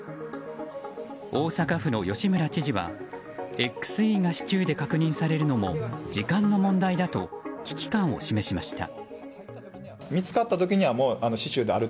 大阪府の吉村知事は、ＸＥが市中で確認されるのも時間の問題だと危機感を示しました。